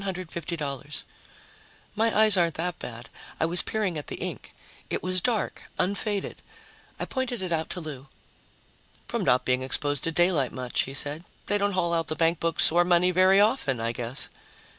My eyes aren't that bad; I was peering at the ink. It was dark, unfaded. I pointed it out to Lou. "From not being exposed to daylight much," he said. "They don't haul out the bankbooks or money very often, I guess."